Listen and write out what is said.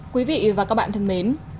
quý vị và các bạn thân mến